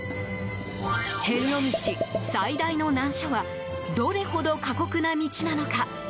遍路道、最大の難所はどれほど過酷な道なのか。